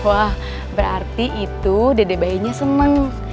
wah berarti itu dede bayinya seneng